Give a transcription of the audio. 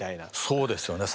そうですよね。